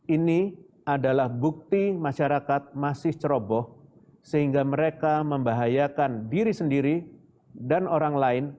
ini adalah bukti masyarakat masih ceroboh sehingga mereka membahayakan diri sendiri dan orang lain